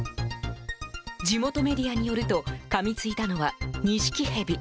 地元メディアによるとかみついたのはニシキヘビ。